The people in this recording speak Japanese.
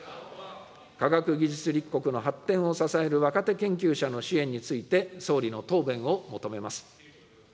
科学技術立国の発展を支える若手研究者の支援について、総理の答弁を求めます。